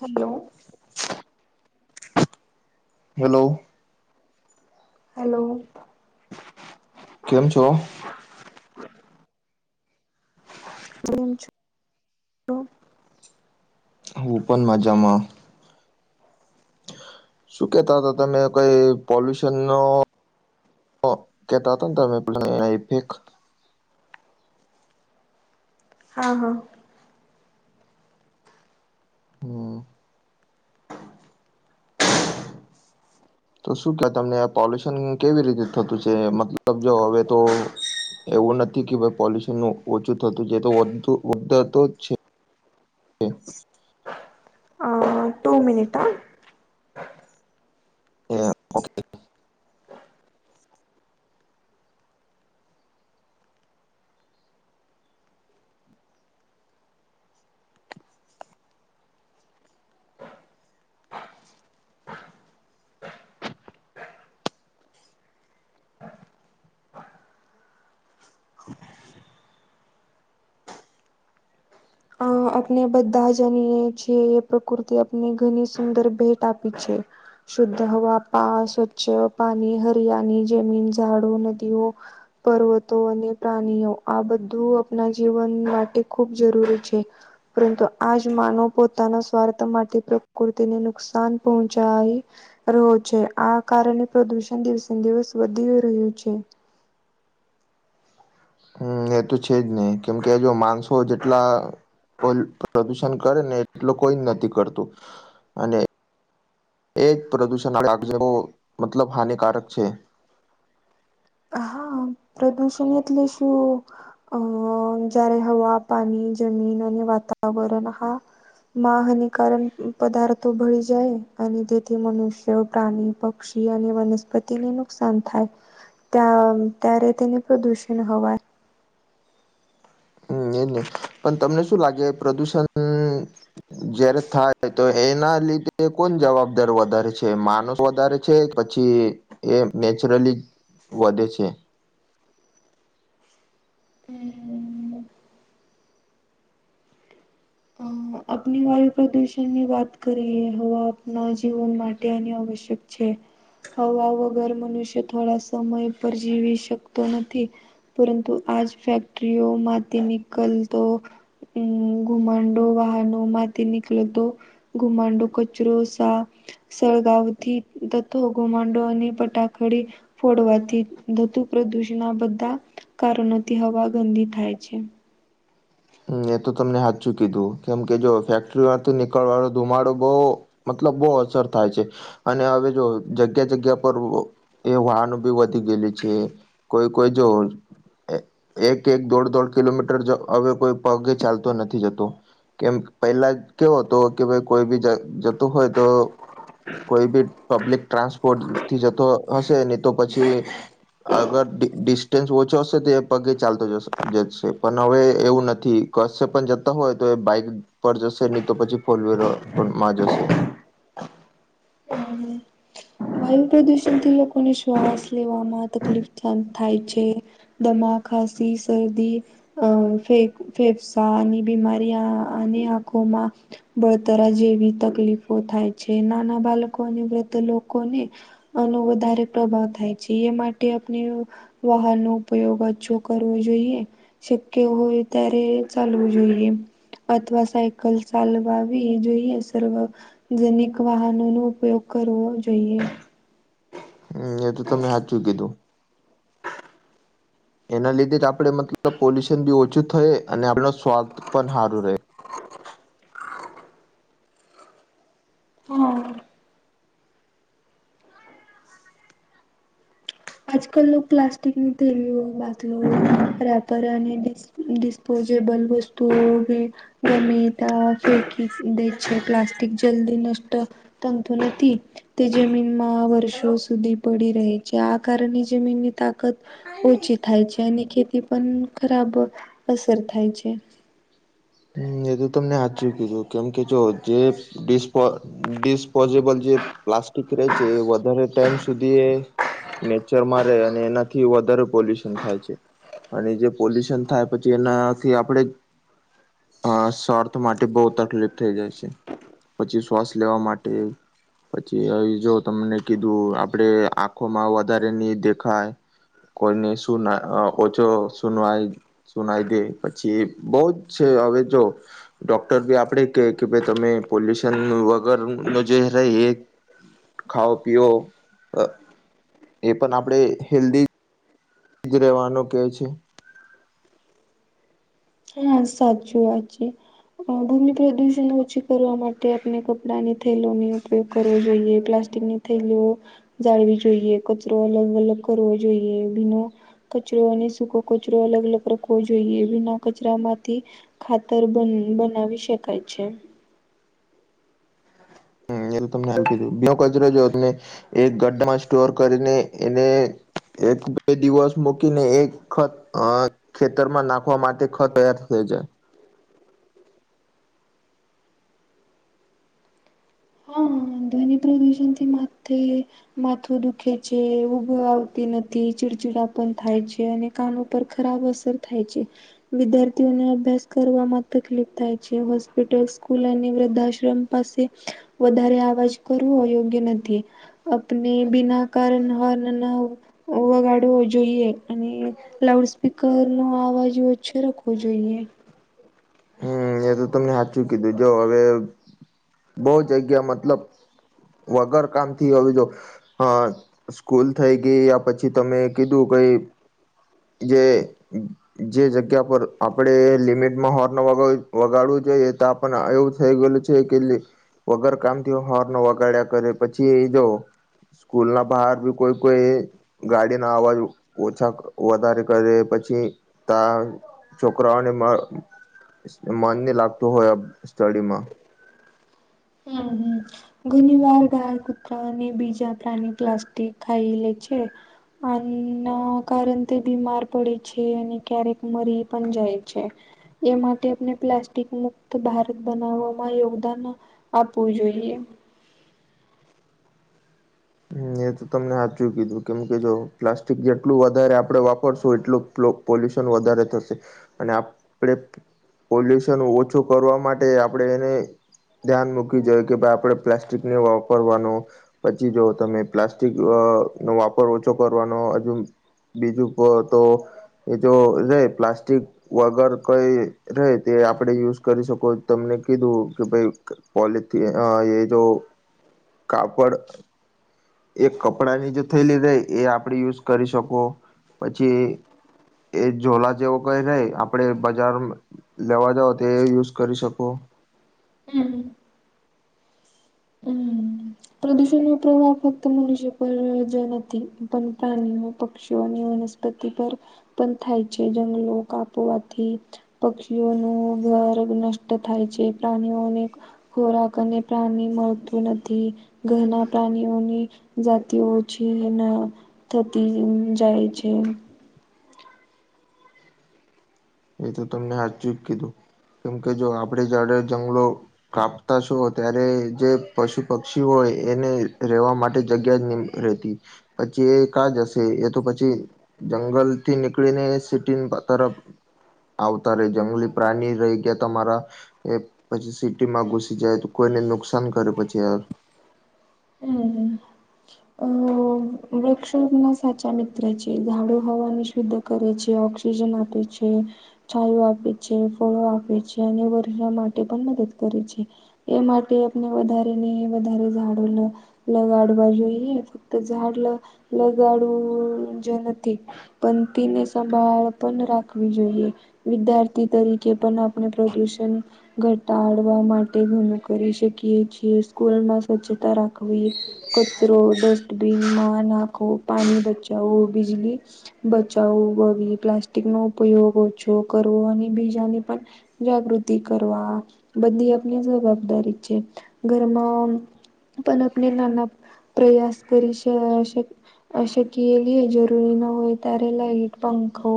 Hello. Hello. Hello. કેમ છો? કેમ છો? હું પણ મજામાં. શું કેતા હતા તમે કઈ પોલ્યુશન નો કે [inaudible] હા હા. હમ. તો શું કવાય તમને પોલ્યુશન કેવી રીતે થતું છે? મતલબ જો હવે તો એવું નથી કે ભાઈ પોલ્યુશન નું ઓછું થતું જે તો વધતું જ છે. [inaudible] હા ટુ મિનિટા હા. હા ઓકે. અ આપણે બધા જનીએ છે એ પ્રકૃતિ આપને ઘણી સુંદર ભેટ આપી છે. શુદ્ધ હવા, પા સ્વચ્છ પાણી, હરિયાણી જમીન, ઝાડો, નદીઓ પર્વતો અને પ્રાણીઓ આ બધું આપણા જીવન માટે ખૂબ જરૂરી છે. પરંતુ આ જ માનોવ પોતાના સ્વાર્થ માટે પ્રકૃતિને નુકસાન પહોંચાય રહો છે. આ કારણે પ્રદુષણ દિવસે દિવસ વધી રહ્યું છે. હમ એ તો છે જ નહી કેમ કે જો માણસો જેટલા પ્રદુષણ કરે ને એટલું કોઈ જ નથી કરતું અને એ જ પ્રદુષણો [unintelligible] મતલબ હાનિકારક છે. હા પ્રદૂષણ એટલે શું? અ જ્યારે હવા, પાણી, જમીન અને વાતાવરણ હા માહની કારણ પદાર્થો ભળ જાય અને તેથી મનુષ્ય પ્રાણી પક્ષી અને વનસ્પતિને નુકસાન થાય. ત્યા ત્યારે તેને પ્રદુષણ હવા એ હમ નહી પણ તમને શું લાગે પ્રદૂષણ [unintelligible] જયારે થાય તો એના લીધે કોણ જવાબદાર વધારે છે માણસ વધારે છે પછી એ નેચરલી વધે છે. હમ. આપણી વાયુ પ્રદુષણ ની વાત કરીએ હવા આપના જીવન માટે આની આવશ્યક છે. હવા વગર મનુષ્ય થોડા સમય પર જીવી શકતો નથી. પરંતુ આજ ફેક્ટરીઓ માંથી નનીકલતો હમ્મ ઘુમાડો વાહનો ગઉ માથી નિકલતો ઘુમાંડો કચરો સા સળગાવથી તત્વો ઘોમાંડો અને પટાખડી ફોડવાથી ધતુ પ્રદૂષણ ના બધા કારણોથી હવા ગંદી થાય છે હ એ તો તમને હાચું કીધું કેમ કે જો ફેક્ટરી વાથી નીકળવાો ધુમાડો બો મતલબ બહુ અસર થાય છે અને હવે જો જગ્યા જગ્યા પર એ વાહનો બી વધી ગયેલી છે કોઈ કોઈ જોવ એક એક દોઢ દોઢ કિલોમીટર હવે કોઈ પગે ચાલતો નથી જતો. કેમ પહેલા કેવો હતો કે ભાઈ કોઈ બી જતું હોય તો કોઈ બી પબ્લિક ટ્રાન્સપોર્ટ થી જતો હશે નહી તો પછી અગર ડિસ્ટન્સ ઓછો હશે તો એ પગે ચાલતો જશે પણ હવે એવું નથી કસે પણ જતા હોય તો એ બાઈક પર જશે નહી તો પછી ફોર વ્હીલર પણ માં જશે હમ્મ હમ્મ વાયુ પ્રદૂષણથી લોકોને શ્વાસ લેવામાં તકલીફ થાય થાય છે. દમા ખાંસી સરદી અ ફે ફેફસાની બીમારીયા આંખોમાં બળતરા જેવી તકલીફો થાય છે નાના બાળકો અને વૃદ્ધ લોકોને આનો વધારે પ્રભાવ થાય છે એ માટે આપણે વાહન નો ઉપયોગ ઓછો કરવો જોઈએ. શક્ય હોય ત્યારે ચાલવું જોઈએ. અથવા સાયકલ ચાલવાવી જોઈએ સર્વ જનીક વાહનો નો ઉપયોગ કરવો જોઈએ. હમ્મ એ તો તમે હાચું કીધું. એના લીધે જ આપણે મતલબ પોલ્યુશન બી ઓછું થહે અને આપણ સ્વાસ્થ પણ સારું રહે હમ્મ. આજકલ લોક પ્લાસ્ટિકની થેલી ઓ બાતલો રેપર અને ડીસ ડિસ્પોઝેબલ વસ્તુઓ કે ટમેટા ફેકી દે છે પ્લાસ્ટિક જલ્દી નષ્ટ તમતો નથી તે જમીનમાં વર્ષો સુધી પડી રહે છે. કારની જમીનની તાકત ઓછી થાય છે અને ખેતી પણ ખરાબ અસર થાય છે. હમ એ તો તમને હાચુ કીધું કેમ કે જો જે ડિસ્પો ડિસ્પોઝેબલ જે પ્લાસ્ટિક રહે છે એ વધારે ટાઈમ સુધી એ નેચરમાં રહે અને એનાથી વધારે પોલ્યુશન થાય છે. અને જે પોલ્યુશન થાય પછી એનાથી આપણે અ સ્વાર્થ માટે બહુ તકલીફ થઈ જાય છે પછી શ્વાસ લેવા માટે પછી જો તમને કીધું આપડે આંખોમાં વધારે નહી દેખાય કોઈ ને શું ના ઓછો શું નાય સુનાઈ દે પછી બહુ જ છે હવે જો ડોક્ટર બી આપડે કે કે ભાઈ તમે પોલ્યુશન વગર નુ જે રે એ ખાઓ પીઓ અ એ પણ આપડે હેલ્દી જ રહેવાનું કે છે. હા સાચું વાત છે. ભૂમિ પ્રદુષણ ઓછી કરવા માટે આપણે કપડાની થેલોની ઉપયોગ કરવો જોઈએ પ્લાસ્ટિકની થેલી જાળવી જોઈએ કચરો અલગ અલગ કરવો જોઈએ ભીનો કચરો અને સૂકો કચરો અલગ અલગ રાખવો જોઈએ એ ભીનો કચરા માંથી ખાતર બન બનાવી શકાય છે. હમ્મ એ તો તમને સાચું કીધું ભીનો કચરો જો તમે એક ગ્ડામાં સ્ટોર કરીને એને એક બે દિવસ મૂકીને એકખત ખેતરમાં નાખવા માટે ખાતર તૈયાર થઈ જાય. હા, ધ્વનિ. એવી જન થી માથે. માથું દુખે છે ઊંઘ આવતી નથી ચીડચિડા પણ થાય છે અને કાન ઉપર ખરાબ અસર થાય છે. વિદ્યાર્થીઓને અભ્યાસ કરવામાં તકલીફ થાય છે હોસ્પિટલ સ્કૂલ અને વૃદ્ધાશ્રમ પસી વધારે અવાજ કરવો યોગ્ય નથી. આપને બીના કારન હોર્ન ના વગાડવો જોઈએ અને લાઉડ સ્પીકર નો અવાજ ઓછો રાખવો જોઈએ. મેં તો તમને સાચું કીધું જો, હવે બહુ જગ્યા મતલબ. વગર કામથી હવે જો, હ... સ્કૂલ થઈ ગઈ, આ પછી તમે કીધું. કઈ..... જે જે જગ્યા પર આપડે લિમિટમાં હોર્ન વગાડવો. વગાડવું જોઈએ. તો પણ, એવું થઈ ગયેલું છે. કે, વગર કામથી હોર્ન વગાડ્યા કરે. પછી, એ જોવ.... સ્કૂલ ના બહાર ભી કોઈ કોઈ.... ગાડીના અવાજ ઓછા વધારે કરે. પછી, ત... છોકરાઓને મ... મન નહીં લાગતું હોય. આ સ્ટડીમાં.... હમ હં.... ઘણીવાર ગાય, કુતરા અને બીજા પ્રાણી પ્લાસ્ટિક ખાઈ લે છે. આના કારણથી તે બીમાર પડે છે. અને, ક્યારેક મરી પણ જાય છે. એ માટે આપણે પ્લાસ્ટિક મુક્ત ભારત બનાવવામાં યોગદાન...... આપવું જોઈએ. હા એ તો તમે સાચું કીધું. કેમ કે, પ્લાસ્ટિક જેટલું વધારે આપડે વાપરશું. એટલું, પોલ્યુશન વધારે થશે. અને, આપણે.... પોલ્યુશન ઓછું કરવા માટે, આપણેે એને... ધ્યાન મૂકી જોઈ કે ભાઈ આપડે પ્લાસ્ટિક નહી વાપરવાનો. પછી, જો..... તમે પ્લાસ્ટિક વાપરવા નો ઓછો કરવાનો. હજુ, બીજું તો.... એ જો જાય પ્લાસ્ટિક. વગર કઈ રીતે આપણે યુઝ કરી શકો. તમને કીધું કે, ભાઈ... પોલીથીન એ જો કાપડ. એક કપડાં ની જે થેલી ને એ આપડે યુઝ કરી શકો. પછી, એ ઝોલા જેવો કોઈ રહે, આપડે બજારમાં. લેવા જાવ તો એ યુઝ કરી શકો. હમ. હમ. પ્રદૂષણનો પ્રભાવ ફક્ત મનષ્ય પર જ નથી. પણ, પ્રાણીઓ, પક્ષીઓ, વાન વનસ્પતિ પર પણ થાય છે. જંગલો કાપોવાથી.... પક્ષીઓનું ઘર નષ્ટ થાય છે. પ્રાણીઓને..... ખોરાક અને પાણી મળતું નથી. ઘરના પ્રાણીઓની જાતિ, ઓછી અને...... થતી જાય છે. એ તો તમને સાચું જ કીધું કેમ કે, જો આપણે ઝાડ અને જંગલો.... કાપતા છો. ત્યારે જે પશુ પક્ષી હોય એને રહેેવા માટે જગ્યા જ.... નહી રહેતી, પછી એ ક્યાં જશે? એ તો પછી.... જંગલ થી નીકળીને સિટી તરફ..... આવે ત્યારે જંગલી પ્રાણી રહી ગયા. તમારા, એ પછી સિટી માં ઘુસી જાય તો, કોઈને નુકસાન કરે પછી આ..... હમ હ. હ અ.... વૃક્ષો ના સાચા મિત્ર છે ઝાડુ હવાની શુદ્ધ કરે છે ઓક્સિજન આપે છે છાયો આપે છે ફળો આપે છે અને વર્ષા માટે પણ મદદ કરે છે એ માટે આપને વધારે ને વધારે ઝાડો લગાડવા જોઈએ ફક્ત ઝાડ લગાડ્યું જ નથી. પણ, તેની સંભાળ પણ રાખવી જોઈએ. વિદ્યાર્થી તરીકે પણ આપણે પ્રદુષણ..... ઘટાડવા માટે ઘણું કરી શકીએ છીએ. સ્કૂલમાં સ્વચ્છતા રાખવી. કચરો ડસ્ટબિન મા નાખવો, પાણી બચાવવું, બિજલી.... બચાવું પ્લાસ્ટિક નો ઉપયોગ ઓછો કરવો અને બીજાને પણ જાગૃતિ કરવા બી આપની જવાબદારી છે ઘરમાં પણ આપણે નાના પ્રયાસ કરી શ અ કે એલી જરૂરી ન હોય ત્યારે લઇટ પંખો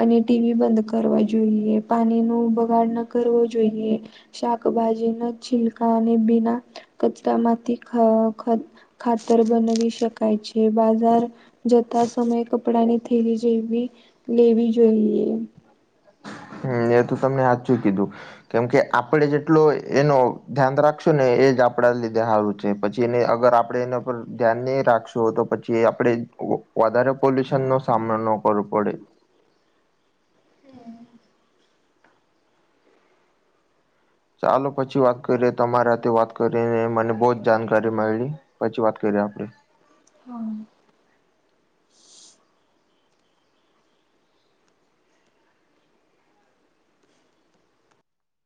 અને ટીવી બંધ કરવા જોઈએ પાણી નો બગાડ ન કરવો જોઈએ શાકભાજીના છિલકા અને બીના કચરા માંથી ખાદ બનવી શકાય છે બાજાર જતા સમયે કપડા ની થેલી જેવી લેવી જોઈએ એ તો તમને હાચું કીધું કેમકે આપડે જેટલો એનો ધ્યાન રાખશો ને એજ આપડા લીધે સારું પછી એને અગર આપડે એના પર ધ્યાન નહી રાખશો તો પછી આપણે વધારે પોલ્યુશન નો સામનો ન કરવો પડે હમ્મ ચાલો પછી વાત કરીએ તમારા વાત કરીએને મને બહ જ જાણકારી મયડી પછી વાત કરીએ આપડે હા